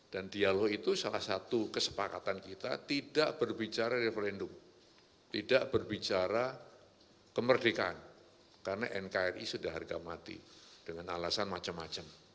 dan dialog itu salah satu kesepakatan kita tidak berbicara referendum tidak berbicara kemerdekaan karena nkri sudah harga mati dengan alasan macam macam